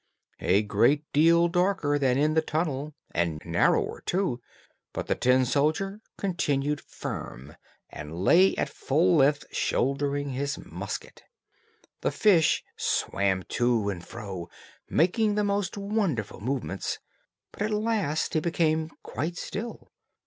A great deal darker than in the tunnel, and narrower too, but the tin soldier continued firm, and lay at full length shouldering his musket. The fish swam to and fro, making the most wonderful movements, but at last he became quite still.